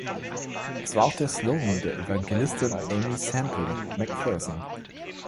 Es war auch der Slogan der Evangelistin Aimee Semple McPherson.